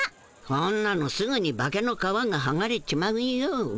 そんなのすぐに化けの皮がはがれちまうよ。